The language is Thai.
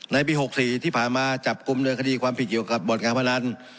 ในปี๖๔ที่ผ่านมาจับกลุ่มเดินคดีความผิดเกี่ยวกับบ่อนการพนัน